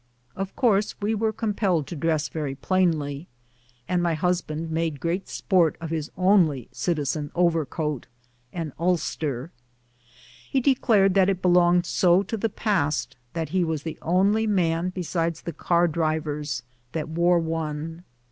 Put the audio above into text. Of course we were compelled to dress very plainly, and my husband made great sport of his only citizen overcoat — an ulster. He declared that 11* 250 BOOTS AND SADDLES. it belonged so to the past that he was the only man be side the car drivers that wore one.